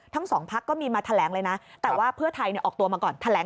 ทางภาคภรรัฐประชารัส